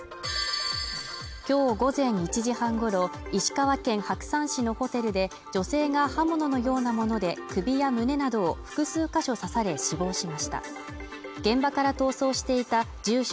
きょう午前１時半ごろ石川県白山市のホテルで女性が刃物のようなもので首や胸などを複数か所刺され死亡しました現場から逃走していた住所